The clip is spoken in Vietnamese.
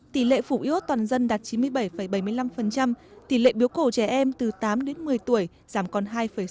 tỉ lệ phủ iốt toàn dân đạt chín mươi bảy bảy mươi năm tỉ lệ biếu cổ trẻ em từ tám đến một mươi tuổi giảm còn hai sáu mươi năm